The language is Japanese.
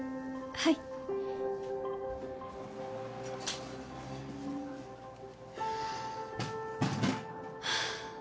はいはあ